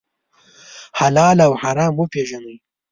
حلال او حرام وپېژنئ.